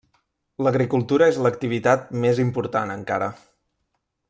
L'agricultura és l'activitat més important encara.